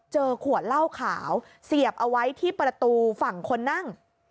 ขวดเหล้าขาวเสียบเอาไว้ที่ประตูฝั่งคนนั่ง